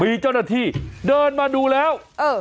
มีเจ้าหน้าที่เดินมาดูแล้ว